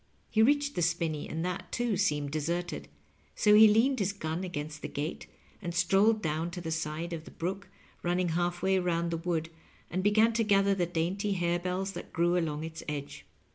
He reached the spinney, and that, too, seemed deserted; so he leaned his gun against the gate and strolled down to the side of the brook ranning halfway round the wood, and began to gather the dainty harebells that grew along its edge.